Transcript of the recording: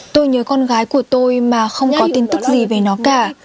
tôi nhớ con gái của tôi mà không có tin tức gì về nó cả